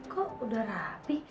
kok udah rapih